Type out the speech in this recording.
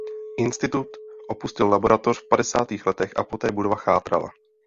Institut opustil laboratoř v padesátých letech a poté budova chátrala.